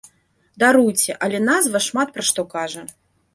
Даруйце, але назва шмат пра што кажа.